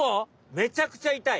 めちゃくちゃいたい！